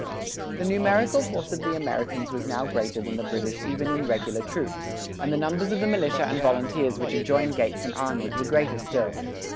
The numerical force of the Americans was now greater than the British even in regular troops, and the numbers of the militia and volunteers which had joined Gates and Arnold were greater still.